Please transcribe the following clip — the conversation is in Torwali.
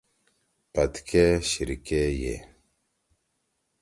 پتکے شیِر کے یے۔